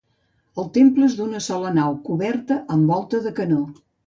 El temple és d'una sola nau coberta amb volta de canó.